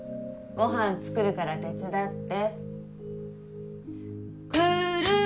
ご飯作るから手伝って。